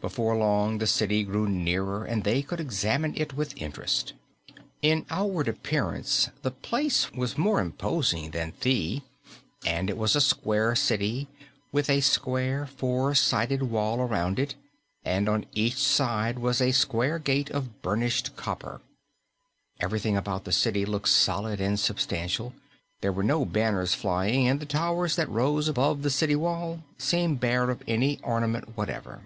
Before long, the city grew nearer and they could examine it with interest. In outward appearance the place was more imposing than Thi, and it was a square city, with a square, four sided wall around it, and on each side was a square gate of burnished copper. Everything about the city looked solid and substantial; there were no banners flying, and the towers that rose above the city wall seemed bare of any ornament whatever.